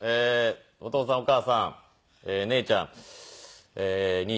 お父さんお母さん姉ちゃん兄ちゃん